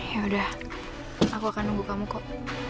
yaudah aku akan nunggu kamu kok